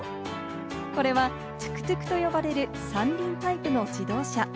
これはトゥクトゥクと呼ばれる３輪タイプの自動車。